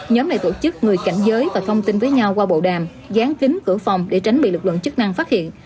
nhóm này tổ chức người cảnh giới và thông tin với nhau qua bộ đàm dán kính cửa phòng để tránh bị lực lượng chức năng phát hiện